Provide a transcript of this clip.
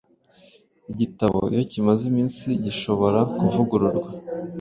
Igitabo iyo kimaze iminsi gishobora kuvugururwa